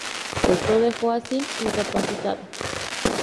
Esto deja a Sin incapacitada.